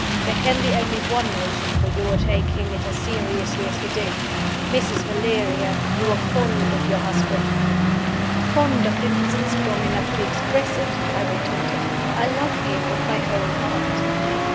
"There can be only one reason for you're taking it as seriously as you do. Mrs. Valeria! you are fond of your husband." "Fond of him isn't strong enough to express it," I retorted. "I love him with my whole heart."